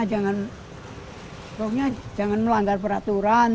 karena jangan melanggar peraturan